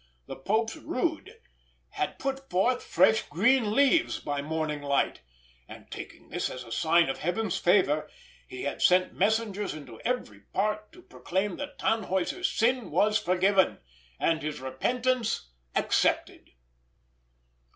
The Pope's rood had put forth fresh green leaves by morning light; and taking this as a sign of Heaven's favour, he had sent messengers into every part to proclaim that Tannhäuser's sin was forgiven, and his repentance accepted.